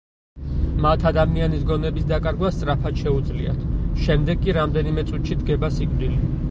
მათ ადამიანის გონების დაკარგვა სწრაფად შეუძლიათ, შემდეგ კი რამდენიმე წუთში დგება სიკვდილი.